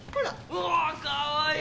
うわあかわいい！